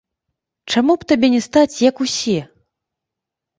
Чаму б табе не стаць, як усе?